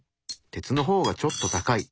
鉄の方がちょっと高い。